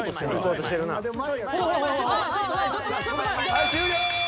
はい終了。